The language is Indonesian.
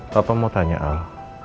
papa mau tanya al